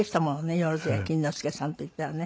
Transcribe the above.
萬屋錦之介さんといったらね。